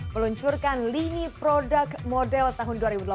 meluncurkan lini produk model tahun dua ribu delapan belas